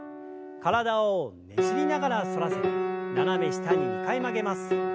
体をねじりながら反らせて斜め下に２回曲げます。